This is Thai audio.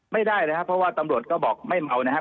ไม่ได้นะครับเพราะว่าตำรวจก็บอกไม่เมานะครับ